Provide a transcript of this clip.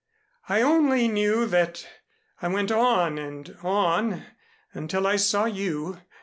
I only knew that I went on and on until I saw you.